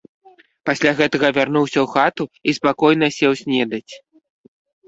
Пасля гэтага вярнуўся ў хату і спакойна сеў снедаць.